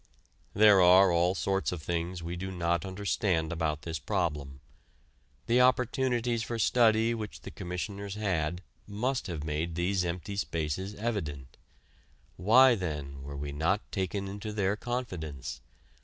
There are all sorts of things we do not understand about this problem. The opportunities for study which the Commissioners had must have made these empty spaces evident. Why then were we not taken into their confidence?